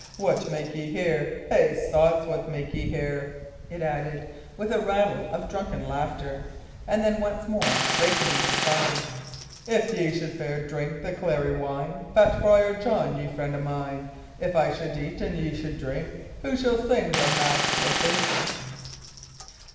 "What make ye here? Hey! sots, what make ye here?" it added, with a rattle of drunken laughter; and then, once more breaking into song: "If ye should drink the clary wine, Fat Friar John, ye friend o' mine If I should eat, and ye should drink, Who shall sing the mass, d'ye think?"